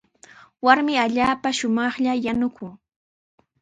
Warmi allaapa shumaqlla yanukun.